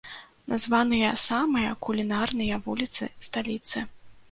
Названыя самыя кулінарныя вуліцы сталіцы.